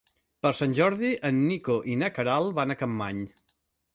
Per Sant Jordi en Nico i na Queralt van a Capmany.